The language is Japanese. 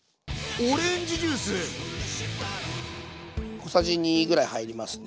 小さじ２ぐらい入りますね。